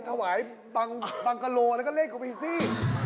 ถวายบางกะโลแล้วก็เล่นก็อบดีซี่